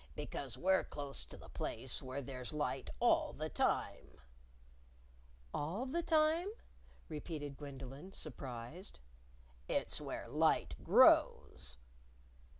"Because we're close to the place where there's light all the time." "All the time?" repeated Gwendolyn, surprised. "It's where light grows."